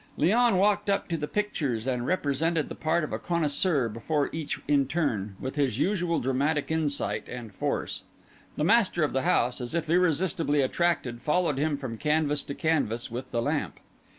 Léon walked up to the pictures and represented the part of a connoisseur before each in turn, with his usual dramatic insight and force. The master of the house, as if irresistibly attracted, followed him from canvas to canvas with the lamp.